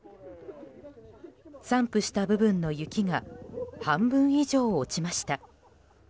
散布した部分の雪が半分以上、落ちました。